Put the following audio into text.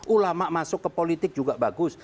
ulama masuk ke politik juga bagus